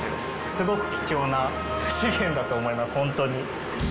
すごく貴重な資源だと思います、本当に。